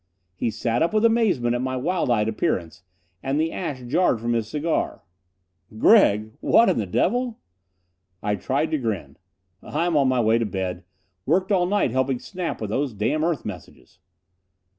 He sat up with amazement at my wild eyed appearance, and the ash jarred from his cigar. "Gregg! What in the devil " I tried to grin. "I'm on my way to bed worked all night helping Snap with those damn Earth messages."